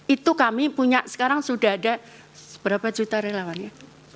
itu kami punya sekarang sudah ada berapa juta relawannya